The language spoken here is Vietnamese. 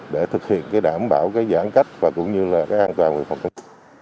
để thực hiện cái đảm bảo cái giãn cách và cũng như là cái an toàn về phòng dịch